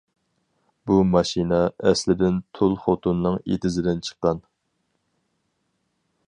بۇ ماشىنا ئەسلىدىن تۇل خوتۇننىڭ ئېتىزىدىن چىققان.